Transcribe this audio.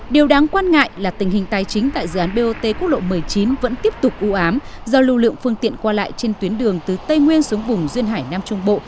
điều đáng quan ngại là tình hình tài chính tại dự án bot quốc lộ một mươi chín vẫn tiếp tục ưu ám do lưu lượng phương tiện qua lại trên tuyến đường từ tây nguyên xuống vùng duyên hải nam trung bộ